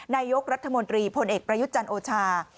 นายกรัฐมนตรีพลเอกประยุทธ์จันทร์โอชา